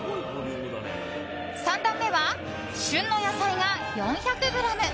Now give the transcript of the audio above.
３段目は旬の野菜が４００ｇ。